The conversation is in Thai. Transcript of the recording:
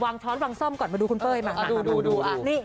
วางช้อนวางส้อมก่อนมาดูคุณเป้ยมาดูนี่